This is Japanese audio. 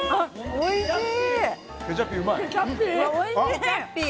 おいしい！